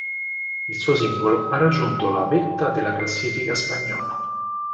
Il suo singolo ha raggiunto la vetta della classifica spagnola.